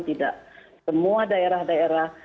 tidak semua daerah daerah